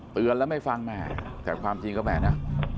เตือนแล้วไม่ฟังแม่แต่ความจริงก็แหมนะ